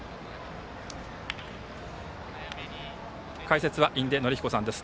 解説は印出順彦さんです。